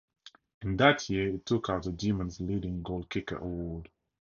In that year he took out the Demons' leading goalkicker award.